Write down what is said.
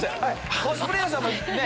コスプレーヤーさんもね